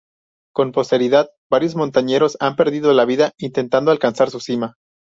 Con posterioridad, varios montañeros han perdido la vida intentando alcanzar su cima.